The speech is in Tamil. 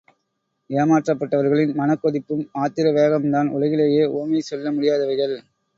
ஏமாற்றப் பட்டவர்களின் மனக் கொதிப்பும் ஆத்திர வேகமும்தான் உலகிலேயே உவமை சொல்ல முடியாதவைகள்.